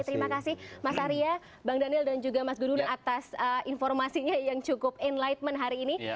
terima kasih mas arya bang daniel dan juga mas gurun atas informasinya yang cukup enlightenment hari ini